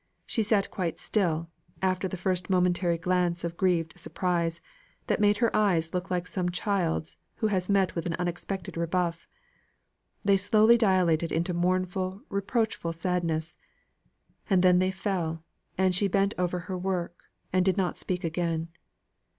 She sat quite still, after the first momentary glance of grieved surprise, that made her eyes look like some child's who has met with an unexpected rebuff; they slowly dilated into mournful, reproachful sadness; and then they fell, and she bent over her work, and did not speak again.